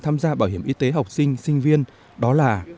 tham gia bảo hiểm y tế học sinh sinh viên đó là